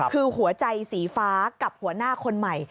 คือหัวใจสีฟ้ากับหัวหน้าคนใหม่